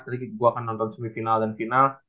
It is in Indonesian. tadi gua akan nonton semi final dan final